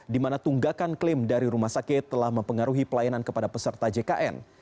di mana tunggakan klaim dari rumah sakit telah mempengaruhi pelayanan kepada peserta jkn